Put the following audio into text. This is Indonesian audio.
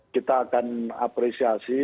kita akan apresiasi